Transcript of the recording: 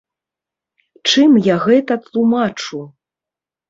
Чым я гэта тлумачу?